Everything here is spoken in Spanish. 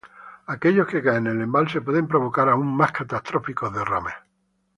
Aquellos que caen en el embalse pueden provocar aún más catastróficos derrames.